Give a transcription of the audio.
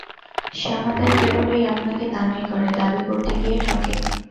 শ্যামা তাই কেবলই আপনাকে দানই করে, দাবি করতে গিয়ে ঠকে।